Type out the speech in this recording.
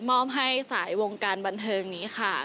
มอบให้สายวงการบันเทิงนี้ค่ะ